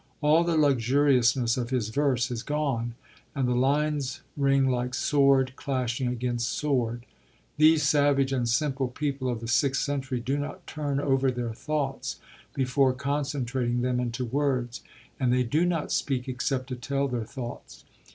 All the luxuriousness of his verse has gone, and the lines ring like sword clashing against sword. These savage and simple people of the sixth century do not turn over their thoughts before concentrating them into words, and they do not speak except to tell their thoughts.